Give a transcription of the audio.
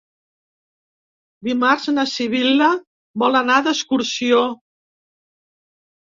Dimarts na Sibil·la vol anar d'excursió.